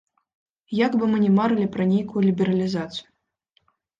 Як бы мы ні марылі пра нейкую лібералізацыю.